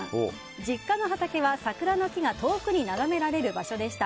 実家の畑は桜の畑が遠くに眺められる場所でした。